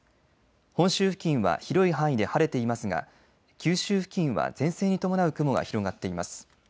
本州付近は広い範囲で晴れていますが九州付近は前線に伴う雲が広がっています。